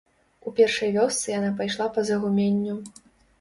У першай вёсцы яна пайшла па загуменню.